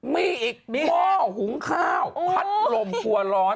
มีอีกหม้อหุงข้าวพัดลมครัวร้อน